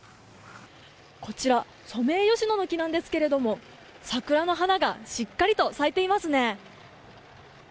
こちらソメイヨシノの木なんですが桜の花がしっかりと咲いていますね。